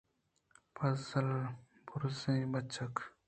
پازل برزیں بچک